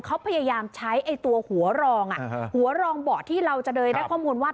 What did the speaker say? เขาพยายามใช้ไอ้ตัวหัวรองหัวรองเบาะที่เราจะเลยได้ข้อมูลว่า